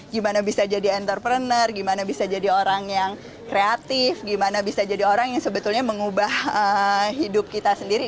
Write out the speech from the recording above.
gimana bisa jadi entrepreneur gimana bisa jadi orang yang kreatif gimana bisa jadi orang yang sebetulnya mengubah hidup kita sendiri